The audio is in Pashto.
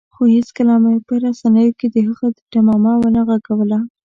خو هېڅکله مې په رسنیو کې د هغه ډمامه ونه غږوله.